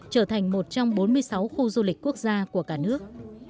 trở thành một trong bốn mươi sáu khu du lịch quốc gia của cả nước